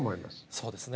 そうですね。